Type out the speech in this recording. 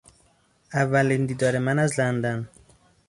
اولین دیدار من از لندن